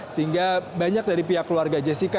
sehingga banyak dari pihak keluarga jessica